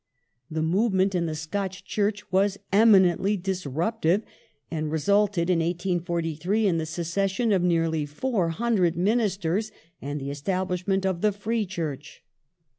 The movement in the Scotch Church was eminently disruptive, and resulted in 1843 in the secession of nearly 400 ministers and the establishment of the " Free Church